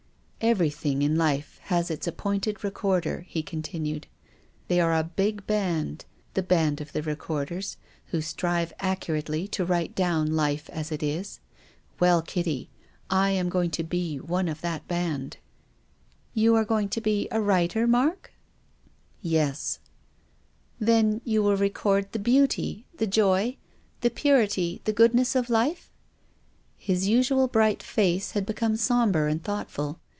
" Everything in life has its appointed recorder," he continued. " They are a big band, the band of the recorders who strive accurately to write down life as it is. Well, Kitty, I am going to be one of that band." " You arc going to be a writer, Mark?" 128 TONGUES OF CONSCIENCE. " Yes." " Then, you will record the beauty, the joy, the purity, the goodness of life ?" His usually bright face had become sombre and thoughtful.